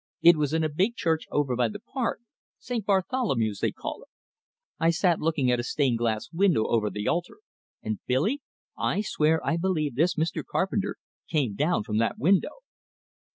It was in a big church over by the park St. Bartholomew's, they call it. I sat looking at a stained glass window over the altar, and Billy, I swear I believe this Mr. Carpenter came down from that window!"